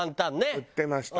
売ってました。